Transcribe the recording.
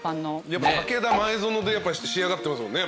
やっぱ武田前園で仕上がってますもんね。